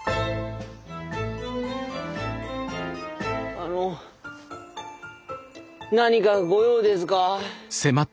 あの何かご用ですか？